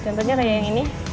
contohnya kayak yang ini